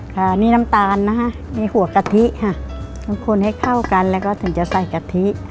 ค่ะนี่น้ำตาลนะคะมีหัวกะทิค่ะบางคนให้เข้ากันแล้วก็ถึงจะใส่กะทิ